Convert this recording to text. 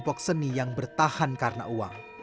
tapi juga anak seni yang bertahan karena uang